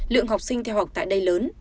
lượng học sinh theo học tại đây lớn